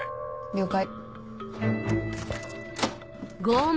了解。